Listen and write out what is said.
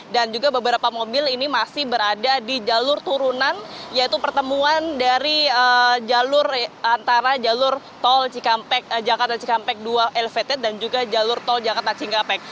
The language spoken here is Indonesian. dan juga beberapa mobil ini masih berada di jalur turunan yaitu pertemuan dari jalur antara jalur tol jakarta cikampek dua elevated dan juga jalur tol jakarta cikampek